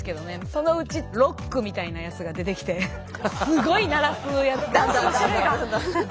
そのうちロックみたいなやつが出てきてすごい鳴らすやつとかが出てくるっていう。